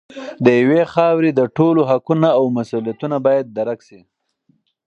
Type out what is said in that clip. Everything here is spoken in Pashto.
د یوې خاورې د ټولو حقونه او مسوولیتونه باید درک شي.